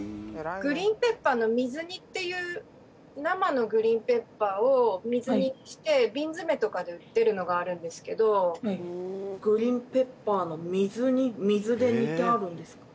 グリーンペッパーの水煮っていう生のグリーンペッパーを水煮して瓶詰めとかで売ってるのがあるんですけど水で煮てあるんですか？